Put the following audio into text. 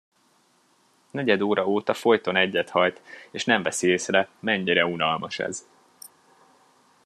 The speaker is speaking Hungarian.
Negyed óra óta folyton egyet hajt, és nem veszi észre, mennyire unalmas ez!